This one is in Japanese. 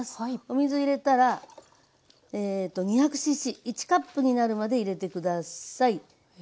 お水入れたらえと２００ｃｃ１カップになるまで入れて下さい。